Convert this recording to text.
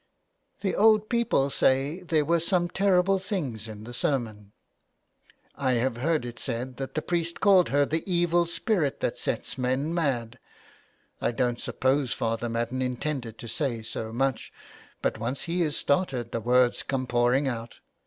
The old people say there were some terrible things in the sermon. I have heard it said that the priest called her the evil spirit that sets men mad. I don't suppose Father Madden intended to say so much, but once he is started the words come pouring out.